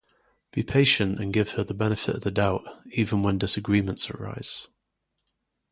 Be patient and give her the benefit of the doubt, even when disagreements arise.